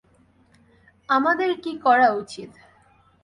আমাদের কি করা উচিৎ?